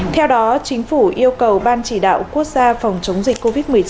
theo đó chính phủ yêu cầu ban chỉ đạo quốc gia phòng chống dịch covid một mươi chín